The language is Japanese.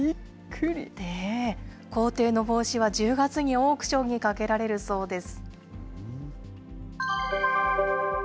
皇帝の帽子は１０月にオークションにかけられるそうです。